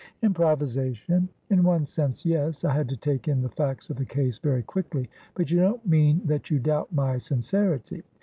"Improvisation? In one sense, yes; I had to take in the facts of the case very quickly. But you don't mean that you doubt my sincerity?"